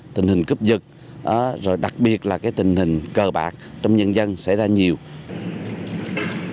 ido arong iphu bởi á và đào đăng anh dũng cùng chú tại tỉnh đắk lắk để điều tra về hành vi nửa đêm đột nhập vào nhà một hộ dân trộm cắp gần bảy trăm linh triệu đồng